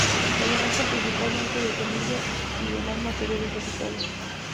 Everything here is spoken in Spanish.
Se alimenta principalmente de semillas y demás materia vegetal.